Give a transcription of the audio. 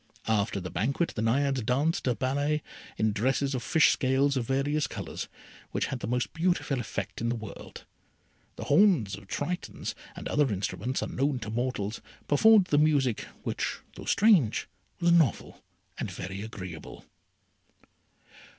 After the banquet the Naiades danced a ballet in dresses of fish scales of various colours, which had the most beautiful effect in the world. The horns of Tritons, and other instruments unknown to mortals, performed the music, which, though strange, was novel and very agreeable.